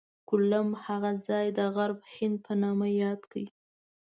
کولمب هغه ځای د غرب هند په نامه یاد کړ.